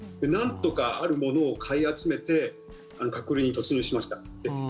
なんとかあるものを買い集めて隔離に突入しました。